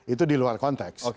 itu diluar konteks